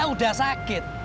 kalau kita udah sakit